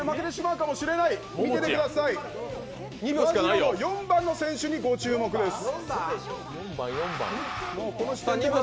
和白の４番の選手にご注目です。